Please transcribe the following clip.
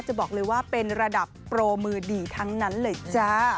จะบอกเลยว่าเป็นระดับโปรมือดีทั้งนั้นเลยจ้า